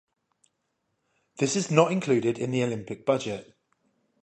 This is not included in the Olympic budget.